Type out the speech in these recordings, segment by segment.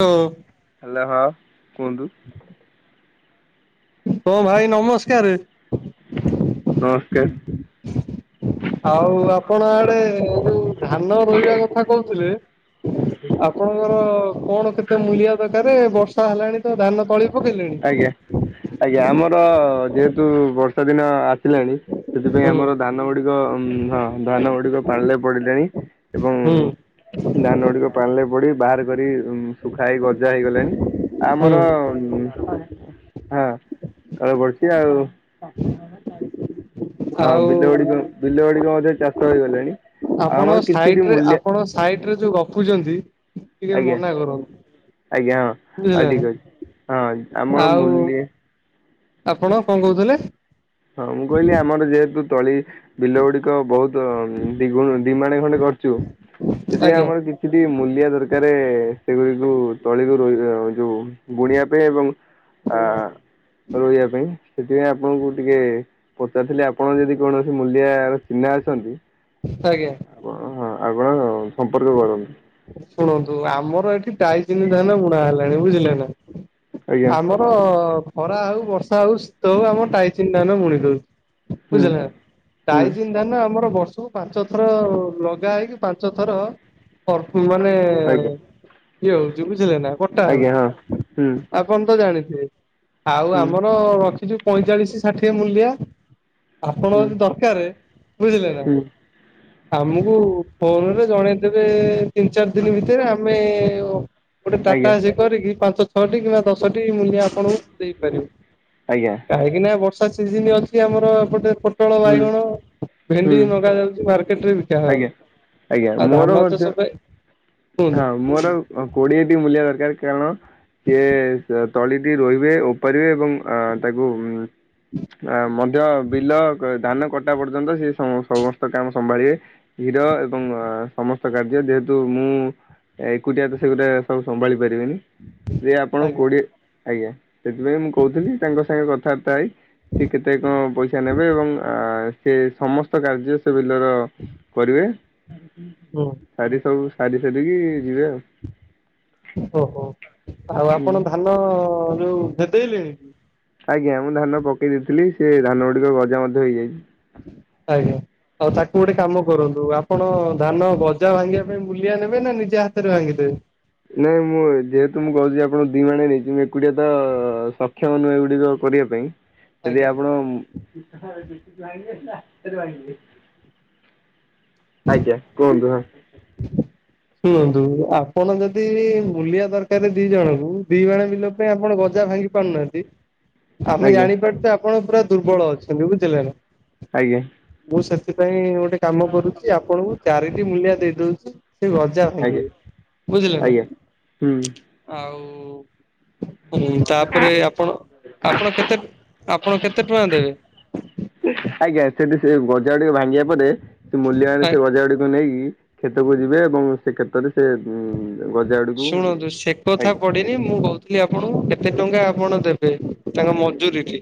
ହଁ ହ୍ୟାଲୋ, ହଁ କୁହନ୍ତୁ। ହଁ ଭାଇ ନମସ୍କାର। ନମସ୍କାର। ଆଉ ଆପଣ ଆଡେ ଯୋଉ ଧାନ ରୋଇବା କଥା କହୁଥିଲେ। ଆପଣଙ୍କର କଣ କେତେ ମୂଳିଆ ଦରକାର ବର୍ଷା ହେଲାଣି ତ ଧାନ ତଳି ପକେଇଲେଣି? ଟିକେ, ଆଜ୍ଞା ଆମର ଯେହେତୁ ବର୍ଷା ଦିନ ଆସିଲାଣି ସେଥିପାଇଁ ହୁଁ ଆମର ଧାନ ଗୁଡିକ ଉ ହଁ ଧାନ ଗୁଡିକ ପାଣିରେ ପଡିଲାଣି। ଏବଂ ହୁଁ ଧାନ ଗୁଡିକ ପାଣିରେ ପଡି ବାହାର କରି ଶୁଖା ହେଇ ଗଜା ହେଇଗଲାଣି, ଆ ହୁଁ ଆମର ହୁଁ, ହଁ ତଳେ ପଡିଛି ଆଉ। ହଁ ଆଉ ବିଲ ଗୁଡିକ ବିଲ ଗୁଡିକ ମଧ୍ୟ ଚାଷ ହେଇଗଲାଣି? ଆଉ ଆପଣ ଆମର କିଛି ବି ସାଇଟରେ ମୂଲ୍ୟ ଆପଣ ସାଇଟ ରେ ଯୋଉ ଗପୁଛନ୍ତି ଟିକେ ଆଜ୍ଞା ମନା କରନ୍ତୁ। ଆଜ୍ଞା ହଁ ଆଉ ବୁଝିଲେ ନା ଠିକ ଅଛି, ହଁ ଆମର ଆଉ ମୂଲ୍ୟ ଆପଣ କଣ କହୁଥିଲେ? ହଁ ମୁଁ କହିଲି ଆମର ଯେହେତୁ ତଳି ବିଲ ଗୁଡିକ ବହୁତ ଦିଗୁ ଦିମାଣେ ଖଣ୍ଡେ କରିୁଛୁ ସେଥିପାଇଁ ଆଜ୍ଞା ଆମର କି କି ମୂଲିଆ ଦରକାରେ ସେଗୁଡ଼ିକୁ ତଳିକୁ ରୁ ଯୋଉ ବୁଣିବା ପାଇଁ ଏବଂ ଆ ରହିବା ପାଇଁ ସେଥିପାଇଁ ଆପଣଙ୍କୁ ଯେ ପଚାରିଥିଲେ ଆପଣ ଯଦି କୌଣସି ମୂଲିଆର ଚିହ୍ନା ଅଛନ୍ତି? ଆଜ୍ଞା। ଓହଁ ଆପଣ ସମ୍ପର୍କ କରନ୍ତୁ। ଶୁଣନ୍ତୁ ଆମର ଏଠି ଟାଇଚିନି ଧାନ ବୁଣା ହେଲାଣି ବୁଝିଲେ ନା, ଆଜ୍ଞା ଆମ ହଁ ଖରା ହଉ ବର୍ଷା ହଉ ଶୀତ ହଉ ଆମ ଟାଇଚିନ ଧାନ ବୁଣି ଦଉଛି ହୁଁ ବୁଝିଲେ ନା। ହୁଁ ଟାଇଜିନ୍ ଧାନ ଆମର ବର୍ଷକୁ ପାଞ୍ଚ ଥର ଲଗା ହେଇକି ପାଞ୍ଚ ଥର [inaudible] ମାନେ ଆଜ୍ଞା କିଏ ହଉଛି ବୁଝିଲେ ନା କଟା ଆଜ୍ଞା ହଁ ହଉଛି? ହୁଁ ଆଉ କଣ ତ ଜାଣିଥିବେ? ଆଉ ହୁଁ ଆମର ରଖିଛୁ ପଇଁଚାଳିଶ ଷାଠିଏ ମୂଲିଆ। ଆପଣଙ୍କ ହୁଁ ଯଦି ଦରକାର ବୁଝିଲେ ନା? ହୁଁ ଆମକୁ ଫୋନରେ ଜଣେଇଦେବେ ତିନି ଚାରି ଦିନ ଭିତରେ, ଆମେ ଗୋଟେ ଆଜ୍ଞା ଟାଟା କରିକି ପାଞ୍ଚ ଛଅଟି କିମ୍ବା ଦଶଟି ମୂଲିଆ ଆପଣଙ୍କୁ ଦେଇପାରିବୁ। ଆଜ୍ଞା। କାହିଁକି ନା ବର୍ଷା ସିଜିନ ଅଛି ଆମର ଏପଟେ ପୋଟଳ, ହୁଁ ବାଇଗଣ। ହୁଁ ଭେଣ୍ଡି ଲଗା ଯାଉଛି ମାର୍କେଟ ରେ ବିକାହବ। ଆଜ୍ଞା ଆଜ୍ଞା ଆଉ ମୋର ଧାନ ଚାଷ ମଧ୍ୟ ପାଇଁ କୁହନ୍ତୁ। ହଁ ମୋର ଉ କୋଡିଏଟି ମୂଲିଆ ଦରକାର। କାରଣ? ସିଏ ତଳିଟି ରୋଇବେ ଓପାଡିବେ ଏବଂ ଅ ତାକୁ ମଧ୍ୟ ବିଲ ଧାନ କ ଟା ପର୍ଯ୍ୟନ୍ତ ସେ ସମସ୍ତ କାମ ସମ୍ଭାଳିବେ। [unintelligible] ହିର ଏବଂ ସମସ୍ତ କାର୍ଯ୍ୟ ଯେହେତୁ ମୁଁ ଏକୁଟିଆ ତ ସେଗୁଟା ସବୁ ସମ୍ଭାଳି ପାରିବିନି। ସିଏ ଆପଣଙ୍କୁ ଆଜ୍ଞା। କୋଡିଏ ଆଜ୍ଞା। ସେଥିପାଇଁ ମୁଁ କହୁଥିଲି ତାଙ୍କ ସାଙ୍ଗେ କଥାବାର୍ତ୍ତା ହେଇ ସିଏ କେତେ କଣ ପଇସା ନେବେ ଏବଂ ଆ ସେ ସମସ୍ତ କାର୍ଯ୍ୟ ସେ ବିଲର କରିବେ। ହୁଁ। ସାଡେ ସବୁ ସାରି ସାରିକି ଯିବେ ଆଉ। ଓହୋ। ଆଉ ହୁଁ ଆପଣ ଧାନ ଯୋଉ ଭେଦେଇଲେଣି? ଆଜ୍ଞା। ମୁଁ ଧାନ ପକେଇ ଦେଇଥିଲି ସେ ଧାନ ଗୁଡିକ ଗଜା ମଧ୍ୟ ହେଇଯାଇଛି। ଆଜ୍ଞା। ଆଉ ତାକୁ ଗୋଟେ କାମ କରନ୍ତୁ। ଆପ ଆପଣ ଧାନ ଗଜା ଭାଙ୍ଗିବା ପାଇଁ ମୂଲିଆ ନେବେ ନା ନିଜେ ହାତରେ ଭାଙ୍ଗିଦେବେ? ନାଇଁ ମୁଁ ଯେହେତୁ ମୁଁ କହୁଛି ଆପଣ ଦି ମାଣେ ନେଇଛି ମୁଁ ଏକୁଟିଆ ତ ସକ୍ଷମ ନୁହେଁ ଏଗୁଡିକ କରିବା ପାଇଁ। ଯଦି ଆଜ୍ଞା। ଆପଣ ଆଜ୍ଞା। କୁହନ୍ତୁ ହଁ। ଶୁଣନ୍ତୁ। ଆପଣ ଯଦି ମୂଲିଆ ଦରକାର ଗୋଟାଏ ରେ ଦି ଜଣଙ୍କୁ ଦି ମାଣେ ବିଲ ପାଇଁ ଆପଣ ଗଜା ଭାଙ୍ଗି ପାରୁନାହାନ୍ତି? ଆମେ ଆଜ୍ଞା ଜାଣିପାରୁଛୁ ଆପଣ ପୁରା ଦୁର୍ବଳ ଅଛନ୍ତି। ବୁଝିଲେ ନା? ଆଜ୍ଞା। ମୁଁ ସେଥିପାଇଁ ଗୋଟେ କାମ କରୁଛି। ଆପଣଙ୍କୁ ଚାରିଟି ମୂଲିଆ ଦେଇ ଦଉଛି। ସେ ଗଜା ଆଜ୍ଞା ଭାଙ୍ଗିବେ। ବୁଝିଲେ ନା? ଆଜ୍ଞା ହୁଁ ଆଉ ହୁଁ। ତାପରେ ଆପଣ ଆପଣ କେତେ ଆପଣ କେତେ ଟଙ୍କା ଦେବେ? ଆଜ୍ଞା। ସେଠି ସେ ଗଜା ଗୁଡିକ ଭାଙ୍ଗିବା ପରେ ସେ ମୂଲିଆ ମାନେ ସେ ଗଜକ ଗୁଡିକୁ ନେଇକି କ୍ଷେତକୁ ଯିବେ ଏବଂ ସେ କ୍ଷେତରେ ସେ ଉମ୍ ଶୁଣନ୍ତୁ। ସେ କଥା ପଡି ମୁଁ କହୁଥିଲି ଆପଣଙ୍କୁ କେତେ ଟଙ୍କା ଆପଣ ଦେବେ ତାଙ୍କ ମଜୁୁରୀରେ?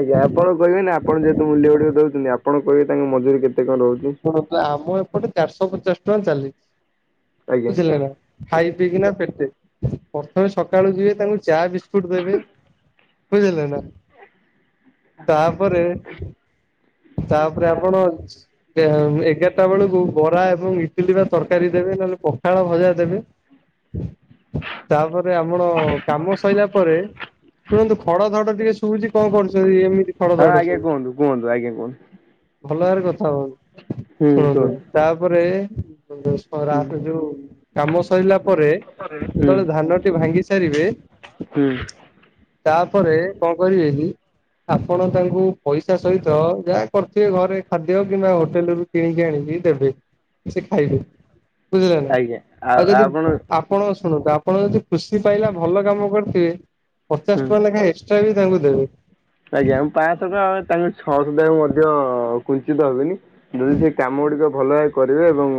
ଆଜ୍ଞା। ଆପଣ କହିବେ ନା ଆପଣ ଯେହେତୁ ମୂଲ୍ୟ ଗୁଡିକ ଦଉଛନ୍ତିଲ ଆପଣ କହିବେ ତାଙ୍କ ମଜୁରୀ କେତେ କଣ ରହୁଛି? ଆମ ଏପଟେ ଚାରିଶହ ପଚାଶ ଟଙ୍କା ଚାଲିଛି ଆଜ୍ଞା। ବୁଝିଲେ ନା? ଖାଇ ପିଇକିନା ପେଟେ। ପ୍ରଥମେ ସକାଳୁ ଯିବେ ତାଙ୍କୁ ଚା ବିସ୍କୁଟ ଦେବେ। ବୁଝିଲେ ନା? ତାପରେ ତାପରେ ଆପଣ ଏଗାରଟା ବେଳକୁ ବରା ଏବଂ ଇଟିଲି ବା ତରକାରୀ ଦେବେ। ନହେଲେ ପଖାଳ, ଭଜା ଦେବେ। ତାପରେ ଆମର କାମ ସରିଲା ପରେ ଶୁଣନ୍ତୁ ଖଡ଼ ଧଡ଼ ଟିକେ ଶୁବୁଚି କଣ କରୁଚନ୍ତି ଏମିତି ଖଡ଼ ଧଡ଼ ଶୁବୁଚି। ତୁ ଆଗେ କଉନୁ? ଭଲଭାବରେ କଥା କୁହନ୍ତୁ ହୁଁ ଶୁଣନ୍ତୁ କୁହନ୍ତୁ ତାପରେ [unintelligible] ରା ହୁଁ ଯୋଉ କାମ ସଇଲା ପରେ ହୁଁ। ଯେତେବେଳେ ଧାନଟି ଭାଙ୍ଗି ସାରିବେ ହୁଁ। ତାପରେ କଣ କରିବେକି ଆପଣ ତାଙ୍କୁ ପଇସା ସହିତ ଯାହା କରଥିବେ ଘରେ ଖାଦ୍ୟ କିମ୍ବା ହୋଟେଲରୁ କିଣିକି ଆଣିକି ଦେବେ। ସେ ଖାଇବେ ବୁଝିଲେନା ଆଜ୍ଞା ଆଉ ଯଦି ଆପଣ ଆ ଆପଣ ଶୁଣନ୍ତୁ ଆପଣ ଯଦି ଖୁସି ପାଇଲା ଭଲ କାମ କରିଥିବେ ପଚାଶେ ହୁଁ। ଟଙ୍କା ଲେଖାଏଁ ଏକ୍ସଟ୍ରାବି ତାଙ୍କୁ ଦେବେ। ଆଜ୍ଞା ମୁ ପାଞ୍ଚଶହ ଟଙ୍କା ତାଙ୍କ ଛଅଶହ ଟା ମଧ୍ୟ କୁନ୍ତିତ ହେବିନି। ଯଦି ସେକାମ ଗୁଡ଼ିକ ଭଲ ଭାବେ କରିବେ ଏବଂ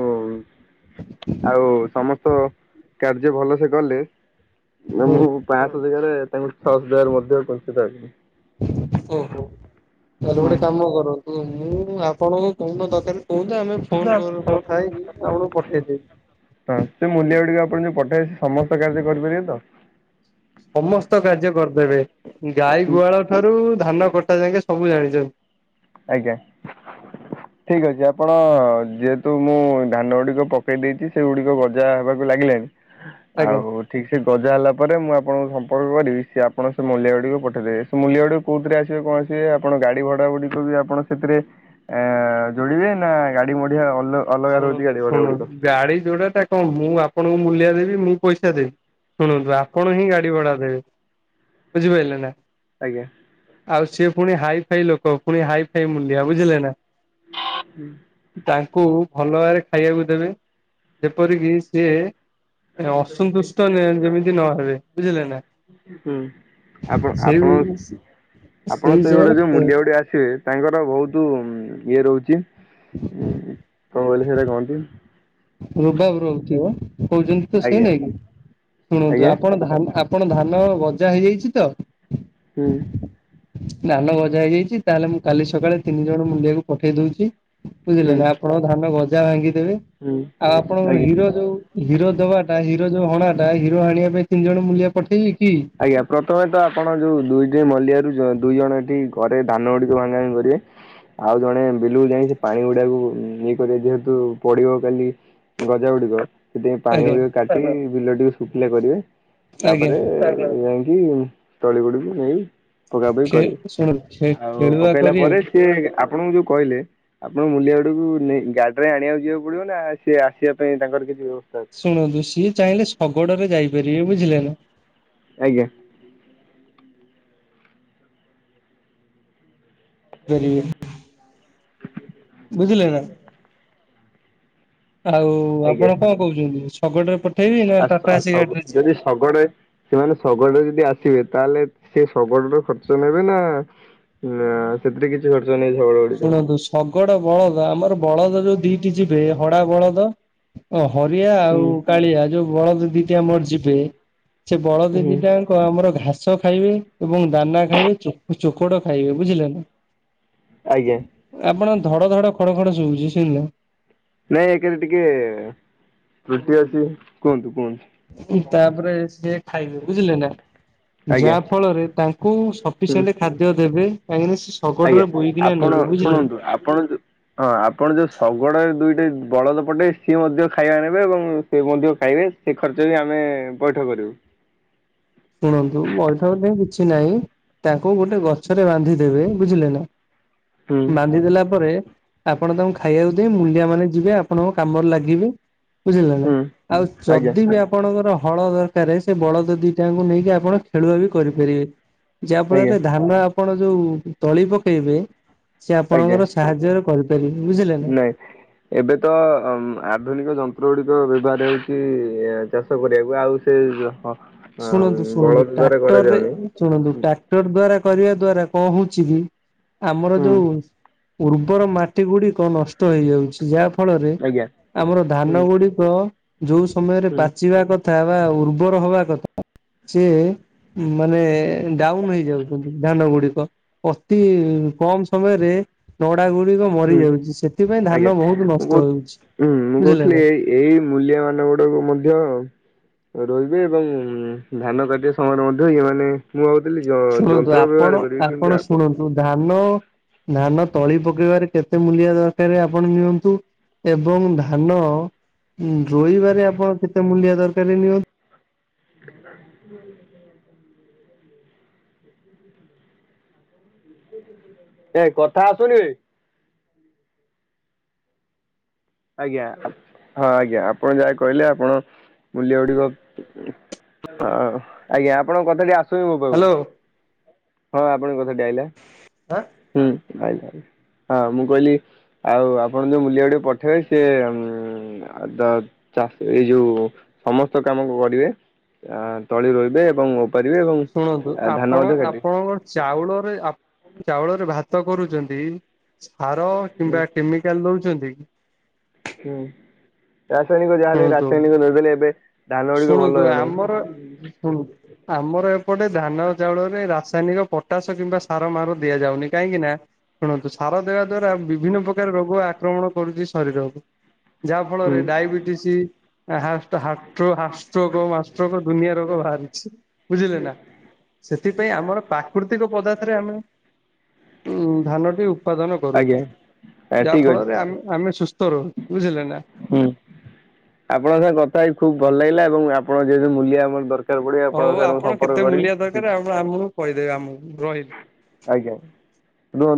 ଆଉ ସମସ୍ତ ତ କାର୍ଯ୍ୟ ଭଲସେ କଲେ ନା ହୁଁ। ମୁଁ ପାଞ୍ଚଶହ ଜେଗାରେ ତାଙ୍କୁ ଛଅଶ ଦେବାରେ ମଧ୍ୟ କୁନ୍ଥିତ ହେବିନି। ଓହୋ। ତାହେଲେ ହଁ ଗୋଟେ କାମ କରନ୍ତୁ ମୁଁ ଆପଣଙ୍କୁ କହୁନ ଦରକାରେ କୁହନ୍ତୁ ଆମେ ଫୋନ୍ କରୁ କଥା ହେଇକି ଆପଣଙ୍କୁ ପଠେଇଦେବି। ହଁ ସେ ମୂଲ୍ୟ ଗୁଡ଼ିକ ଆପଣ ଯୋଉ ପଠେଇବେ ସମସ୍ତ କାର୍ଯ୍ୟ କରିପାରିବେତ? ସମସ୍ତ କାର୍ଯ୍ୟ କରିଦେବେ ଗାଈ ଗୁହାଳ ଠାରୁ ଧାନ କଟା ଯାକେ ସବୁ ଜାଣିଚନ୍ତି। ଆଜ୍ଞା। [inaudible] ଠିକ୍ ଅଛି ଆପଣ ଯେହେତୁ ମୁଁ ଧାନ ଗୁଡ଼ିକ ପକେଇ ଦେଇଚି ସେଗୁଡ଼ିକ ଗଜା ହେବାକୁ ଲାଗିଲାଣି ଆଜ୍ଞା। ଆଉ ଠିକ୍ ସେ ଗଜା ହେଲା ପରେ ମୁଁ ଆପଣଙ୍କୁ ସମ୍ପର୍କ କରିବି ସିଏ ଆପଣ ସେମୂଲ୍ୟା ଗୁଡ଼ିକ ପଠେଇଦେବେ? ସେମୂଲିଆ ଗୁଡ଼ା କଉଥିରେ ଆସିବେ କଣ ଆସିବେ ଆପଣ ଗାଡ଼ି ଭଡ଼ା ଭଡ଼ି ବି ଆପଣ ସେଥିରେ ଯୋଡ଼ିବେ ନାଗାଡ଼ି ମଢିଆ ଅଲ ଅଲଗା ରହୁଛି ଶୁଣନ୍ତୁ ଗାଡ଼ି ଭଡ଼ା ଗୁଡ଼ିକ ଶୁଣନ୍ତୁ ଗାଡ଼ି ଯୋଉଟା ତା କଣ ମୁଁ ଆପଣଙ୍କୁ ମୂଲିଆ ଦେବି ମୁଁ ପଇସା ଦେବି ଶୁଣନ୍ତୁ ଆପଣହିଁ ଗାଡ଼ି ଭଡ଼ା ଦେବେ। ବୁଝିପାଇଲେନା। ଆଜ୍ଞା। ଆଉ ସିଏ ପୁଣି ହାଇ ଫାଇ ଲୋକ ପୁଣି ହାଇ ଫାଇ ମୁଲିଆ ବୁଝିଲେନା। ତାଙ୍କୁ ଭଲ ଭାବରେ ଖାଇବାକୁ ଦେବେ ଯେପରିକି ସିଏ ଅସନ୍ତୁଷ୍ଟ ଯେମିତି ନହବେ ବୁଝିଲେନା। ହୁଁ ଆପଣ ଆପଣ ଆପଣ ସେଇ ସେଇଗୁଡ଼ା ଯୋଉ ହିସାବରେ ମୂଲିଆ ଗୁଡ଼ା ଆସିବେ ତାଙ୍କର ବହୁତୁ ଇଏ ରହୁଚି କଣ କହିଲେ ସେଇଟା କୁହନ୍ତି। ରୁବାବ ରହୁଥିବ କହୁଚନ୍ତିତ ସେଇ ଆଜ୍ଞା ନାଇଁକି ଶୁଣନ୍ତୁ ଆଜ୍ଞା ଆପଣ ଧାନ ଆପ ଆପଣ ଧାନ ଗଜା ହେଇଯାଇଚିତ? ହୁଁ। ଧାନ ବଜା ହେଇଯାଇଚି ତାହେଲେ ମୁଁ କାଲି ସକାଳେ ତିନି ଜଣ ମୁଲିଆକୁ ପଠେଇ ଦଉଚି ହୁଁ ବୁଝିଲେନା ଆପଣ ଧାନ ଗଜା ଭାଙ୍ଗିଦେବେ ହୁଁ ଆଉ ଆପଣଙ୍କ ଆଜ୍ଞା। ହୀର ଯୋଉ ହିରୋ ଦବାଟା ହିରୋ ଯୋଉ ହଣାଟା ହିରୋ ହାଣିବା ପାଇଁ ତିନି ଜଣ ମୂଲିଆ ପଠେଇବିକି? ଆଜ୍ଞା ପ୍ରଥମେତ ଆପଣ ଯୋଉ ଦୁଇଟି ମଲିଆରୁ ଦୁଇ ଜଣ ଏଠି ଘରେ ଧାନ ଗୁଡ଼ିକ ଭାଙ୍ଗା ଭାଙ୍ଗି କରିବେ ଆଉ ଜଣେ ବିଲୁ ଯାଇକି ପାଣି ଗୁଡ଼ାକୁ ଇଏ କରି ଯେହେତୁ ପଡ଼ିବ କାଲି ଗଜ ଗୁଡିକ ସେଥିଇଁ ଆଜ୍ଞା ପାଣି କାଟି ବିଲ ଟକେ ଶୁଖିଲା କରିବେ ଆଜ୍ଞା ତାପରେ ଆ ଯଏମିତି ତଳି ଗୁଡିକୁ ନେଇ ପକା ପକି ଖେ କରିବି ଶୁଣନ୍ତୁ ଖେ ଆଉ ଖେଳୁଆ ପକେଇଲା ପରେ କରିବାକୁ ସିଏ ଆପଣଙ୍କୁ ଯୋଉ କହିଲେ? ଆପଣ ମୁଲିଆ ଗୁଡକୁ ନେଇ ଗାଡିରେ ଆଣିବାକୁ ଯିବାକୁ ପଡିବ ନା ସେି ଆସିବା ପାଇଁ ତାଙ୍କର କିଛି ବ୍ୟବସ୍ଥା ଅଛି। ଶୁଣନ୍ତୁ ସିଏ ଚାହିଁଲେ ଶଗଡ ରେ ଯାଇପାରିବେ ବୁଝିଲେ ନା? ଆଜ୍ଞା। କୋଉଠିକି? ଜ ବୁଝିଲେ ନା? ଆଉ ଆଜ୍ଞା। ଆପଣ କଣ କହୁଛନ୍ତି ଶଗଡ ରେ ପଠେଇବି ନା ଆ ଟାଟାଏସି ସ-ସ ଗାଡିରେ ଯିବେ? ଯଦି ଶଗଡ ସେମାନେ ଶଗଡ ଯଦି ଆସିବେ ତାହେଲେ ସେ ଶଗଡ଼ରେ ଖର୍ଚ୍ଚ ନେବେ ନା ଆ ନା ସେଥିରେ କିଛି ଖର୍ଚ୍ଚ ନେଇ ଶଗଡ଼ ଗାଡ଼ିରେ ଶୁଣନ୍ତୁ ଶଗଡ ବଳଦ ଆମର ବଳଦ ଯୋଉ ଦିଟି ଯିବେ ହଡ଼ା ବଳଦ ହରିଆ ହୁଁ ଆଉ କାଳିଆ ଯୋଉ ବଳଦ ଦିଟିଆ ମୋର ଯିବେ। ସେ ବଳଦଦି ହୁଁ ଟା ଆମର ଘାସ ଖାଇବେ ଏବଂ ଦାନା ଖାଇବେ ଚୋକଡ ଖାଇବେ ବୁଝିଲେ ନାଁ? ଆଜ୍ଞା। ଆପଣ ଧଡ ଧଡ ଖଡ ଖଡ ଶଉଛି ଶୁଝିଲ ନାଇଁ ଏକରେ ଟିକେ ତୃଟି ଅଛି। କୁହନ୍ତୁ କୁହନ୍ତୁ। ତାପରେ ସିଏ ଖାଇବେ ବୁଝିଲେ ନାଁ? ଆଜ୍ଞା ଯାହା ଫଳରେ ତାଙ୍କୁ ହୁଁ ସଫିସିଏଣ୍ଟ ଖାଦ୍ୟ ଦେବେ କାହିଁକିନା ସେ ଆଜ୍ଞା ଶଗଡରେ ବୋହିକିନା ଆପଣ ନେବେ ବୁଝିଲେ ଶୁଣନ୍ତୁ ଆପଣ ହଁ ଆପଣ ଯୋଉ ଶଗଡ ଦୁଇଟା ବଳଦ ପଟେ ସିଏ ମଧ୍ୟ ଖାଇବା ନେବେ ଏବଂ ସେ ମଧ୍ୟ ଖାଇବେ। ସେ ଖର୍ଚ୍ଚ ବି ଆମେ ପଇଠ କରିବୁ। ଶୁଣନ୍ତୁ ମଇଠା ପାଇଁ କିଛି ନାହିଁ ତାଙ୍କୁ ଗୋଟେ ଗଛରେ ବାନ୍ଧି ଦେବେ ବୁଝିଲେ ନା? ହୁଁ ବାନ୍ଧି ଦେଲା ପରେ ଆପଣ ତାଙ୍କୁ ଖାଇବାକୁ ଦେବେ ମୁଲିଆ ମାନେ ଯିବେ ଆପଣଙ୍କ କାମରେ ଲାଗିବେ। ବୁଝିଲେ ନାଁ ହୁଁ ଆଉ ଆଜ୍ଞା ଯଦି ବି ଆପଣଙ୍କର ହଳ ଦରକାର ସେ ବଳ ଯଦି ତାଙ୍କୁ ନେଇକି ଆପଣ ଖେଳୁଆ ବି କରିପାରିବେ ଯାହା ଆଜ୍ଞା ଫଳରେ ଧାନ ଆ ଆପଣ ଯୋଉ ତଳି ପକେଇବେ ସେ ଆଜ୍ଞା। ଆପଣଙ୍କର ସାହାଯ୍ୟରେ କରିପାରିବେ ବୁଝିଲେ ନାଁ ନାଇଁ ହ ଏବେ ତ ଆଧୁନିକ ଯନ୍ତ୍ର ଗୁଡ଼ିକ ବ୍ୟବହାର ହେଉଛି ଚାଷ କରିବାକୁ ଆଉ ସେ ଅମ୍, ଶୁଣନ୍ତୁ ଶୁଣନ୍ତୁ ବଳଦ ଦ୍ୱାରା ଟ୍ରାକ୍ଟର ରେ କରାଯାଉନି। ଶୁଣନ୍ତୁ୍ ଟା ଟାକ୍ଟର ଦ୍ଵାରା କରିବା ଦ୍ଵାରା କଣ ହଉଛି କି ଆମର ହୁଁ ଯୋଉ ଉର୍ବର ମାଟି ଗୁଡିକ ନଷ୍ଟ ହେଇଯାଉଛି ଯାହା ଫଳରେ ଆଜ୍ଞା ଆମର ହୁଁ ଧାନ ଗୁଡ଼ି ତ ଯୋଉ ସମୟରେ ହୁଁ ପାଚିବା କଥା ବା ଉର୍ବର ହବା କଥା। ସି ମାନେ ଡାଉନ ହେଇଯାଉଛନ୍ତି ଧାନ ଗୁଡିକ। ଅତି କମ ସମୟରେ ନଡ଼ା ଗୁଡିକ ମରି ହୁଁ ଯାଉଛି ସେଥିପାଇଁ ଆଜ୍ଞା ଧାନ ବହୁତ ମୁଁ କହୁ ନଷ୍ଟ ହଉଛି ହୁଁ ମୁଁ ବୁଝିଲେ କହୁଥିଲି ନାଁ? ଏଇ ଏଇ ମୂଲ୍ୟ ମାନଙ୍କ ଗୁଡ଼ିକୁ ମଧ୍ୟ ରୋଇବେ ଏବଂ ଧାନ କାଟିବା ସମୟରେ ମଧ୍ୟ ଏମାନେ ମୁଁ ଭାବୁଥିଲି ଶୁଣନ୍ତୁ ଯନ୍ତ୍ର ଆପଣ ବ୍ୟବହାର କରିବି କିନ୍ତୁ ଆପଣ ଶୁଣନ୍ତୁ ଧାନ ଧାନ ତଳି ପକେଇବାରେ କେତେ ମୁଲିଆ ଦରକାର ଆପଣ ନିଅନ୍ତୁ। ଏବଂ ଧାନ ରୋଇବାରେ ଆପଣ କେତେ ମୂଲ୍ୟ ଦରକାର ନିଅ? ଏ କଥା ଆସୁନି ଏ। ଆଜ୍ଞା ହଁ ଆଜ୍ଞା ଆପଣ ଯାହା କହିଲେ ଆପଣ ମୂଲ୍ୟ ଗୁଡ଼ିକ ହଁ ଆଜ୍ଞା ଆପଣଙ୍କ କଥା ଟିଏ ଆସୁନି ମୋ ପାଖୁ। ହ୍ୟାଲୋ। ହଁ ଆପଣଙ୍କ କଥାଟି ଆଇଲା, ହୁଁ ଆଇଲା, ହଁ ମୁଁ କହିଲି ଆଉ ଆପଣ ଯୋଉ ମୁଲିଆ ଗୁଡି଼କ ପଠେଇବେ ସିଏ ଉଁ ଆଉ ଦ ଚାଷ ଏଇ ଯୋଉ ସମସ୍ତ କାମ କରିବେ। ଆ ତଳି ରୋଇବେ ଏବଂ ଓପାରିବେ ଏବଂ ଶୁଣନ୍ତୁ ଧାନ ଆପଣ ମଧ୍ୟ କାଟିବେ। ଆପଣଙ୍କ ଚାଉଳରେ ଆ ଚାଉଳରେ ଭାତ କରୁଚନ୍ତି ସାର ହୁଁ କିମ୍ବା କେମି କାଲ୍ ଦଉଚନ୍ତି କି? ହୁଁ ରାସାୟନିକ ଯାହା ହେଲେ ଶୁଣନ୍ତୁ ରାସାୟନିକ ନଦଲେ ଏବେ ଧାନ ଗୁଡି଼କ ଭଲ ହେଉନାହିଁ। ହୁଁ। ଆମର ଏପଟେ ଧାନ ଚାଉଳରେ ରାସାୟନିକ ପଟାସ କିମ୍ବା ସାର ମାର ଦିଆଯାଉନି, କାହିଁକି ନା ଶୁଣନ୍ତୁ ସାର ଦେବା ଦ୍ଵାରା ବିଭିନ୍ନ ପ୍ରକାର ରୋଗ ଆକ୍ରମଣ କରୁଚି ଶରୀରକୁ। ଯାହା ହୁଁ ଫଳରେ ଡାଇବେଟିସି ଆ ହାଷ୍ଟ ହା ହାଷ୍ଟ୍ରକ ମାଷ୍ଟ୍ରକ ଦୁନିଆ ରୋଗ ଭାରୁଚି ବୁଝିଲେ‌ ନା? ସେଥିପାଇଁ ଆମର ପ୍ରାକୃତିକ ପଦାର୍ଥରେ ଆମେ ଉଁ ଧାନଟି ଉତ୍ପାଦନ କରୁ ଆଜ୍ଞା ଯାହା ଠିକ ଅଛି ଫଳରେ ଏ ଆମେ ଆମେ ସୁସ୍ଥ ରହୁ, ବୁଝିଲେ ନାଁ? ହୁଁ ଆପଣଙ୍କ ସାଙ୍ଗୃ କଥା ହେଇ ଖୁବ୍ ଭଲ ଲାଗିଲା ଏବଂ ଆପଣ ଯେହେତୁ ମୂଲିଆ ଆମର ଦର କାର ପଡ଼ି ଆପଣଙ୍କ ସାଙ୍ଗରେ ମୁଁ ସମ୍ପର୍କ କରିବି। ଠିକ୍ କାରେ ଆପଣ ଆମୁ କହିଦେବେ ଆମକୁ ରହିଲି। ଆଜ୍ଞା। ରୁହନ୍ତୁ